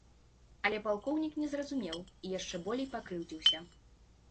Але палкоўнік не зразумеў і яшчэ болей пакрыўдзіўся.